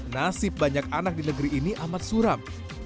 nasib banyak anak di negeri ini amat suram